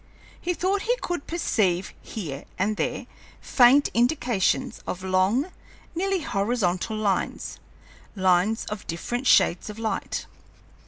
He thought he could perceive here and there faint indications of long, nearly horizontal lines lines of different shades of light.